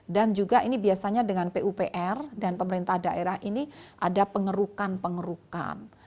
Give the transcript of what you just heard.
dan juga ini biasanya dengan pupr dan pemerintah daerah ini ada pengerukan pengerukan